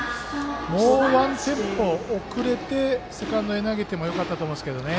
もうワンテンポ遅れてセカンドへ投げてもよかったと思いますけどね。